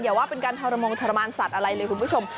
อย่าว่าเป็นการทรมานสัตว์อะไรเลยคุณผู้ชม